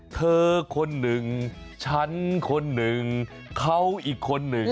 เธอคนหนึ่งฉันคนหนึ่งเขาอีกคนหนึ่ง